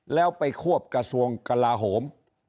แล้วไปควบกระทรวงกลาโหม